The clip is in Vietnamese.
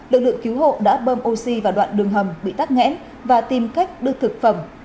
lực lượng cứu hộ đã bơm oxy vào đoạn đường hầm bị tắt nghẽn và tìm cách đưa thực phẩm